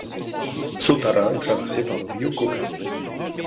Sotará est traversée par le río Cauca.